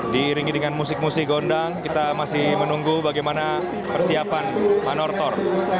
diiringi dengan musik musik gondang kita masih menunggu bagaimana persiapan manortor